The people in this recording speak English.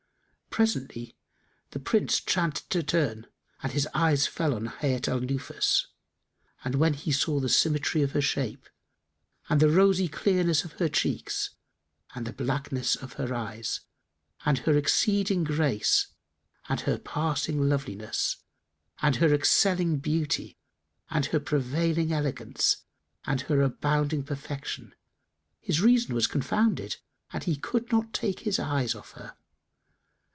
Presently the Prince chanced to turn and his eyes fell on Hayat al Nufus; and when he saw the symmetry of her shape and the rosiclearness of her cheeks and the blackness of her eyes and her exceeding grace and her passing loveliness and her excelling beauty and her prevailing elegance and her abounding perfection, his reason was confounded and he could not take his eyes off her.